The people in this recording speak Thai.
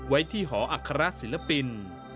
ไว้ที่หออัครศิลปิน